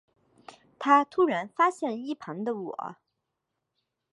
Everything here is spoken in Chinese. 他突然发现一旁的我